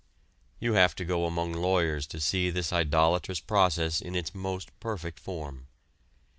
You have to go among lawyers to see this idolatrous process in its most perfect form.